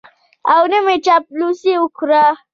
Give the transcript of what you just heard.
او نه مې چاپلوسي وکړه.